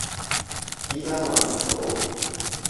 依家揾唔到